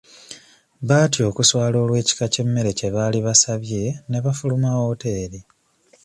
Baatya okuswala olw'ekika ky'emmere kye baali basabye ne bafuluma wooteeri.